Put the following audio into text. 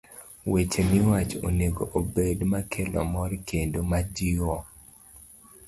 Weche miwacho onego obed makelo mor kendo majiwo